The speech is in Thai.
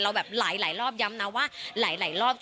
แบบหลายรอบย้ำนะว่าหลายรอบ